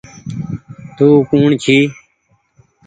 تو ڪوٚڻ جي